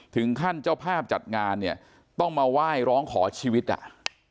ถึงขั้นเจ้าภาพจัดงานเนี่ยต้องมาไหว้ร้องขอชีวิตอ่ะ